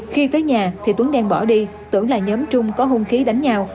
khi tới nhà thì tuấn đen bỏ đi tưởng là nhóm trung có hung khí đánh nhau